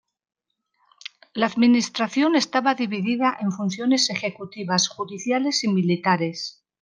La administración estaba dividida en funciones ejecutivas, judiciales y militares.